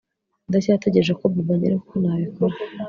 Ndacyategereje ko Bobo anyereka uko nabikora